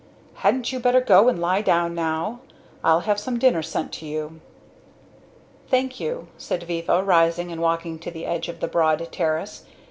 Hadn't you better go and lie down now? I'll have some dinner sent to you." "Thank you," said Viva, rising and walking to the edge of the broad terrace.